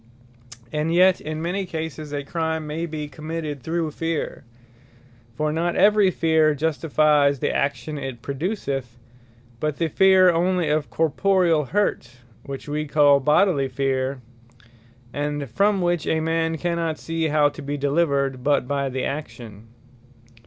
And yet in many cases a Crime may be committed through Feare. For not every Fear justifies the Action it produceth, but the fear onely of corporeall hurt, which we call Bodily Fear, and from which a man cannot see how to be delivered, but by the action.